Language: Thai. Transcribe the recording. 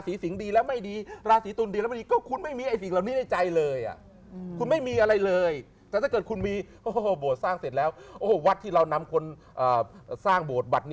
แต่ถ้าเกิดคุณมีโอ้บทสร้างเสร็จแล้วโอ้โฮวัดที่เรานำคนสร้างบท